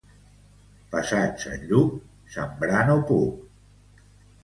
Passat Sant Lluc, sembrar no puc.